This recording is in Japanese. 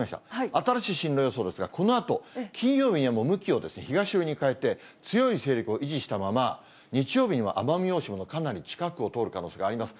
新しい進路予想ですが、このあと、金曜日にはもう向きを東寄りに変えて、強い勢力を維持したまま、日曜日には奄美大島のかなり近くを通る可能性があります。